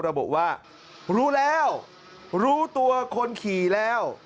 ระบุว่ารู้แล้วรู้ตัวคนขี่แล้ว